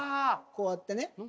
こうやってね。